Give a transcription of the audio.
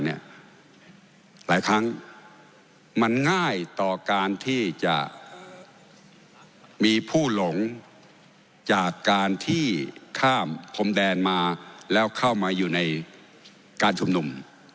หลายครั้งมันง่ายต่อการที่จะมีผู้หลงจากการที่ข้ามพรมแดนมาแล้วเข้ามาอยู่ในการชุมนุม